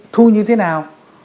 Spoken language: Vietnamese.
thu như thế nào